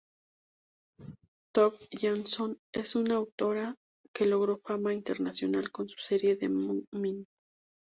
Tove Jansson es una autora que logró fama internacional con su serie de Mumin.